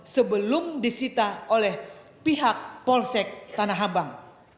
sebelum disita oleh pihak polsek tanahabang